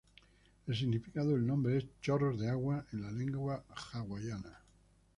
El significado del nombre es "chorros de agua" en la lengua hawaiana.